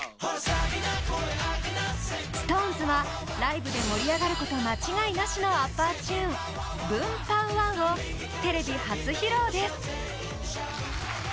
ＳｉｘＴＯＮＥＳはライブで盛り上がること間違いなしのアッパーチューン「Ｂｏｏｍ‐Ｐｏｗ‐Ｗｏｗ！」をテレビ初披露です。